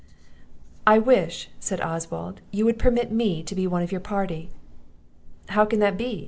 "I wish," said Oswald, "you would permit me to be one of your party." "How can that be?"